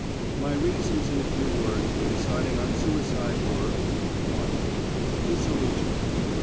My reasons, in a few words, for deciding on suicide were: (1) Disillusionment.